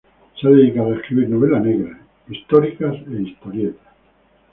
Se ha dedicado a escribir novelas noir, históricas e historietas.